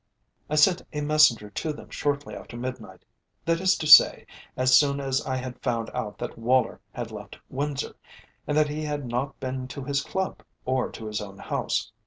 "I sent a messenger to them shortly after midnight, that is to say, as soon as I had found out that Woller had left Windsor, and that he had not been to his Club, or to his own house.